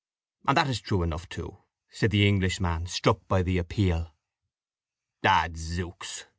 "And that is true enough, too," said the Englishman, struck by the appeal. "Adzooks!"